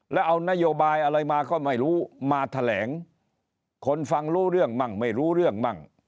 แล้วเอานโยบายอะไรมาก็ไม่รู้มาแถลงคนฟังรู้เรื่องมั่งไม่รู้เรื่องมั่ง